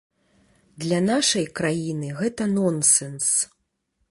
Для нашай краіны гэта нонсэнс.